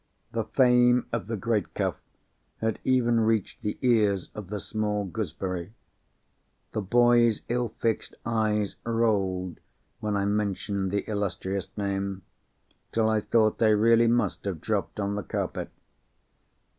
The fame of the great Cuff had even reached the ears of the small Gooseberry. The boy's ill fixed eyes rolled, when I mentioned the illustrious name, till I thought they really must have dropped on the carpet.